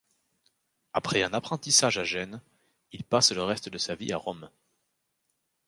Après un apprentissage à Gênes, il passe le reste de sa vie à Rome.